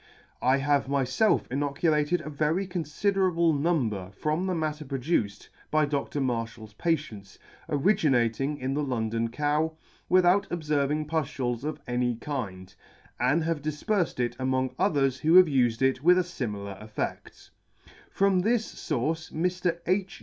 I have myfelf inoculated a very confiderable number from the matter produced by Dr. Marfhal's patients, originating in the London cow, without obferving puftules of any kind, and have difperfed it among others who have ufed it with a limilar effed. From this fource Mr. H.